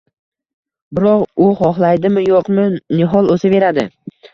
Biroq u xohlaydimi-yo’qmi, nihol o’saveradi!